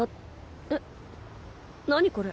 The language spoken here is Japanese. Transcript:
えっ何これ？